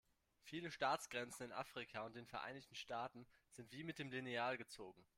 Viele Staatsgrenzen in Afrika und den Vereinigten Staaten sind wie mit dem Lineal gezogen.